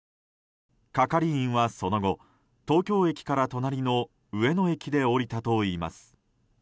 係員は、その後東京駅から隣の上野駅で降りたといいます。